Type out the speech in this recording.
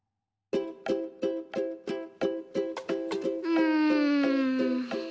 うん。